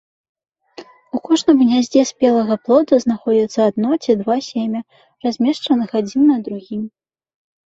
У кожным гняздзе спелага плода знаходзіцца адно ці два семя, размешчаных адзін на другім.